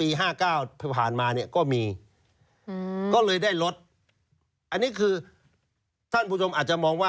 ปี๕๙ผ่านมาเนี่ยก็มีก็เลยได้ลดอันนี้คือท่านผู้ชมอาจจะมองว่า